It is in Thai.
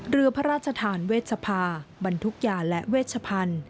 เรือพระราชทานเวชภาบรรทุกยาและเวชพันธุ์